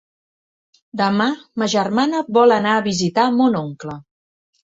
Demà ma germana vol anar a visitar mon oncle.